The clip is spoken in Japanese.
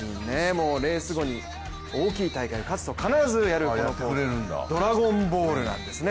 もうレース後に大きい大会勝つと必ずやる、「ドラゴンボール」なんですね